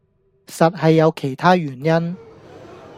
實係有其他原因